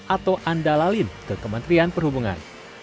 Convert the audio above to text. atau anda lalin ke kementerian perhubungan